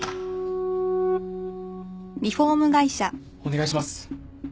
お願いします！